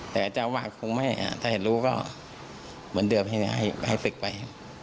แต่เจ้าวาดคงไม่ถ้าเห็นรู้ก็เหมือนเดิมให้ศึกไป